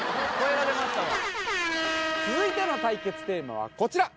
続いての対決テーマはこちら。